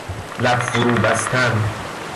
لب فروبستن